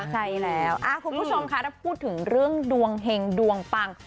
ใช่แล้วคุณผู้ชมค่ะถ้าพูดถึงเรื่องดวงเห็งดวงปัง